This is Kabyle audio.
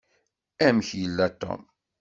Amek yella Tom?